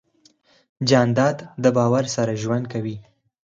جانداد د باور سره ژوند کوي.